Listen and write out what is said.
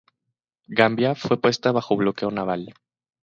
Gambia fue puesta bajo bloqueo naval.